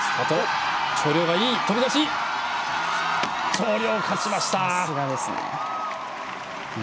張亮勝ちました。